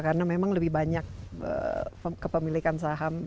karena memang lebih banyak kepemilikan saham